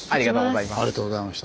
ありがとうございます。